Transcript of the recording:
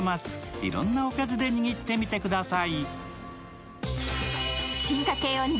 いろんなおかずで握ってみてください。